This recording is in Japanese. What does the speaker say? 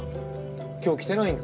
今日来てないんか？